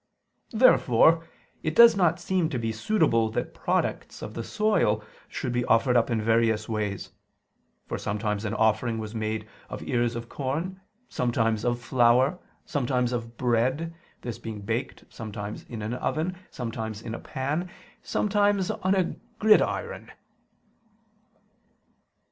Therefore it does not seem to be suitable that products of the soil should be offered up in various ways; for sometimes an offering was made of ears of corn, sometimes of flour, sometimes of bread, this being baked sometimes in an oven, sometimes in a pan, sometimes on a gridiron.